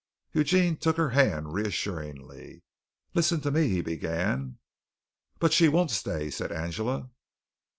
Eugene took her hand reassuringly. "Listen to me," he began. "But she won't stay," said Angela.